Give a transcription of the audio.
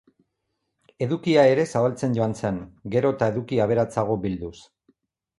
Edukia ere zabaltzen joan zen, gero eta eduki aberatsago bilduz.